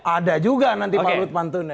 ada juga nanti pak luhut pantunnya